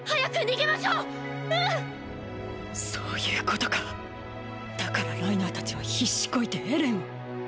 そういうことかだからライナーたちは必死こいてエレンを。